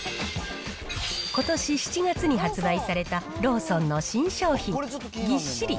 ことし７月に発売されたローソンの新商品、ぎっしり！